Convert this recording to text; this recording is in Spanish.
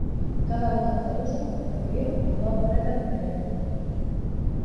Cada votante ruso recibió dos boletas diferentes.